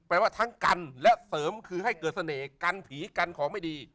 ว่าทั้งกันและเสริมคือให้เกิดเสน่ห์กันผีกันของไม่ดี